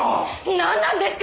なんなんですか？